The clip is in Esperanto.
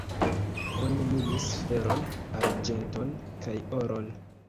Oni minis feron, arĝenton kaj oron.